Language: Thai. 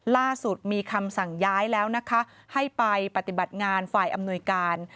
ล่าสุดมีคำสั่งย้ายแล้วนะคะให้ไปปฏิบัติงานฝ่ายอำนวยการ